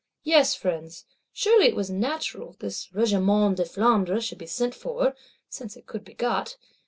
—Yes, Friends, surely it was natural this Regiment de Flandre should be sent for, since it could be got.